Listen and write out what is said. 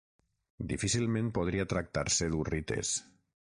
Difícilment podria tractar-se d'hurrites.